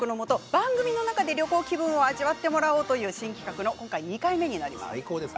番組の中で旅行気分を味わってもらおうという新企画の２回目になります。